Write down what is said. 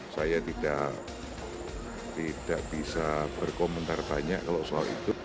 saya tidak bisa berkomentar banyak kalau soal itu